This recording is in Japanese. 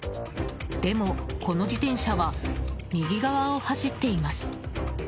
でも、この自転車は右側を走っています。